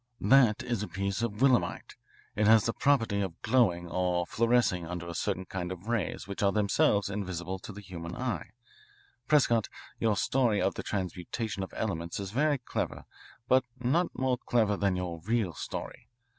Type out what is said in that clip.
"That is a piece of willemite. It has the property of glowing or fluorescing under a certain kind of rays which are themselves invisible to the human eye. Prescott, your story of the transmutation of elements is very clever, but not more clever than your real story.